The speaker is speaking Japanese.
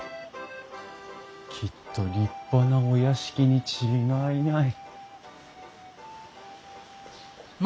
きっと立派なお屋敷に違いない。